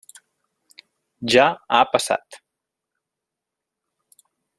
Ja ha passat.